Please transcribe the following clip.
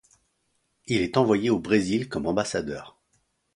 Il est envoyé au Brésil comme ambassadeur.